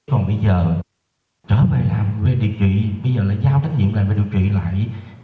còn bây giờ trở về làm việc điều trị bây giờ là giao trách nhiệm về điều trị lại